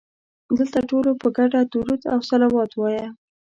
دلته ټولو په ګډه درود او صلوات وایه.